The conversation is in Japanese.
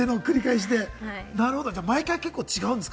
毎回結構違うんですか？